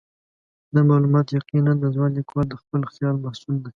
دا معلومات یقیناً د ځوان لیکوال د خپل خیال محصول دي.